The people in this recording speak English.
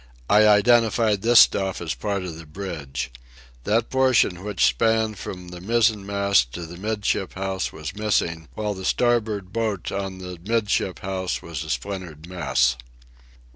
I identified this stuff as part of the bridge. That portion which spanned from the mizzen mast to the 'midship house was missing, while the starboard boat on the 'midship house was a splintered mess.